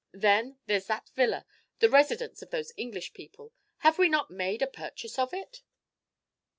Then, there 's that villa, the residence of those English people, have we not made a purchase of it?"